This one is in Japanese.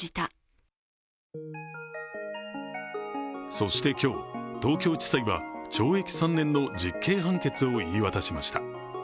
そして今日、東京地裁は懲役３年の実刑判決を言い渡しました。